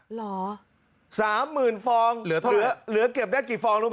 หรอสามหมื่นฟองเหลือเท่าไหร่เหลือเก็บได้กี่ฟองรู้ไหม